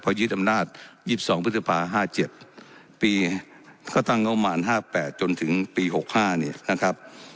พระยุทธอำนาจยี่สองพฤษภาห้าเจ็บปีก็ตั้งเงาหม่านห้าแปดจนถึงปีหกห้านี่นะครับ